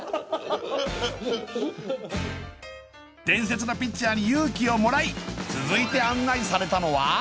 伝説のピッチャーに勇気をもらい続いて案内されたのは？